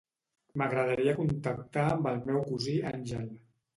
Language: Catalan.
M'agradaria contactar amb el meu cosí Àngel.